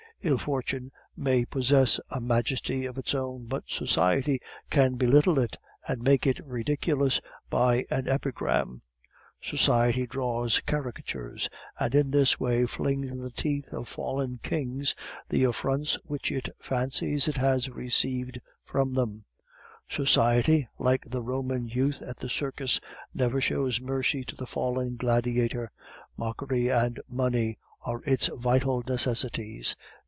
Ill fortune may possess a majesty of its own, but society can belittle it and make it ridiculous by an epigram. Society draws caricatures, and in this way flings in the teeth of fallen kings the affronts which it fancies it has received from them; society, like the Roman youth at the circus, never shows mercy to the fallen gladiator; mockery and money are its vital necessities.